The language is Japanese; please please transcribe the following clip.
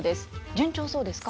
順調そうですか？